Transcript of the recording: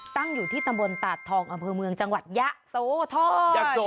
ตั้งอยู่ที่ตำบลตาดทองอำเภอเมืองจังหวัดยะโสธร